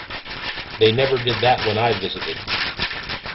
They never did that when I visited.